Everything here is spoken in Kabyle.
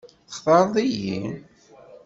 Textaṛeḍ-iyi?